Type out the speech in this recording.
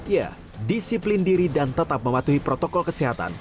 ya disiplin diri dan tetap mematuhi protokol kesehatan